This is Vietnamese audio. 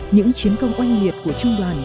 những chiến công oanh liệt của trung đoàn